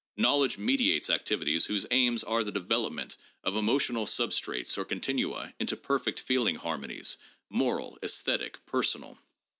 Knowledge mediates activi ties whose aims are the development of emotional substrates or con tinua into perfect feeling harmonies, moral, esthetic, personal.